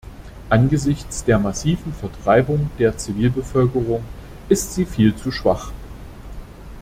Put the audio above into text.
Angesichts der massiven Vertreibung der Zivilbevölkerung ist sie viel zu schwach.